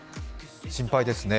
心配ですね。